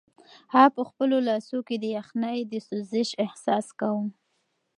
هغه په خپلو لاسو کې د یخنۍ د سوزش احساس کاوه.